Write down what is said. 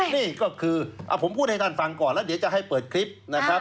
นี่ก็คือผมพูดให้ท่านฟังก่อนแล้วเดี๋ยวจะให้เปิดคลิปนะครับ